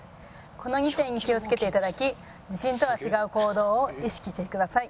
この２点に気をつけて頂き地震とは違う行動を意識してください。